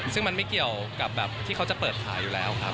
ซึ่งมันไม่เกี่ยวกับแบบที่เขาจะเปิดขายอยู่แล้วครับ